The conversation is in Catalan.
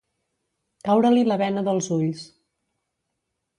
Caure-li la bena dels ulls.